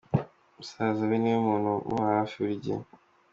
Musaza we niwe muntu umuba hafi buri gihe.